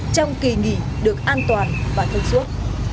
trong kỳ nghỉ được an toàn và thân suốt